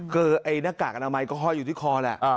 ก็นักกากอนามัยก็ห้อยอยู่ที่คอแหละ